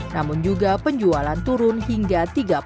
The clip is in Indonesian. namun juga penjualan turun hingga tiga puluh